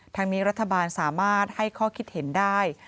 ทั้งนี้รัฐบาลสามารถให้ข้อคิดเห็นได้